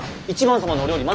１番様のお料理